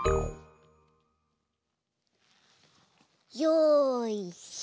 よいしょ！